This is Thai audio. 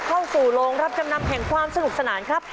โรงรับจำนำแห่งความสนุกสนานครับ